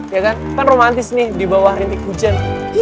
ya kan kan romantis nih di bawah rintik hujan